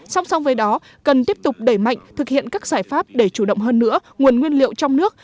song song với đó cần tiếp tục đẩy mạnh thực hiện các giải pháp để chủ động hơn nữa nguồn nguyên liệu trong nước